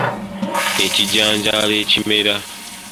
Ekijanjaalo ekimera.